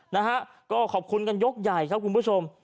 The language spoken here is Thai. นะฮะก็ขอบคุณกันยกใหญ่ครับคุณผู้ชม